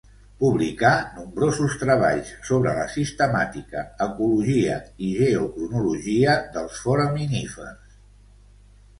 Publicà nombrosos treballs sobre la sistemàtica, ecologia i geocronologia dels foraminífers.